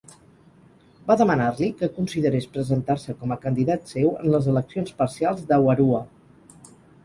Va demanar-li que considerés presentar-se com a candidat seu en les eleccions parcials d'Awarua.